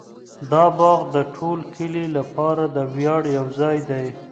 دا باغ د ټول کلي لپاره د ویاړ یو ځای دی.